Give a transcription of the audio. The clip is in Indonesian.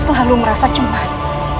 setelah lu merasa cemas